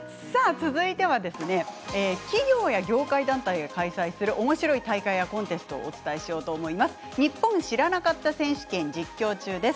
続いては企業や業界団体が開催するおもしろい大会やコンテストをお伝えします。